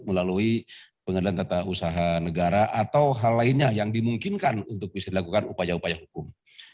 melalui pengadilan tata usaha negara atau hal lainnya yang dimungkinkan untuk bisa dilakukan upaya upaya hukum